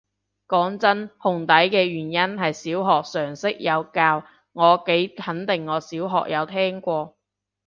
講真，紅底嘅原因係小學常識有教，我幾肯定我小學有聽過